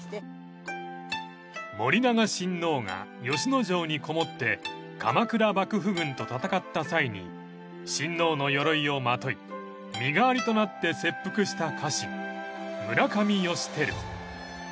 ［護良親王が吉野城にこもって鎌倉幕府軍と戦った際に親王のよろいをまとい身代わりとなって切腹した家臣村上義光］